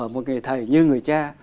một người thầy như người cha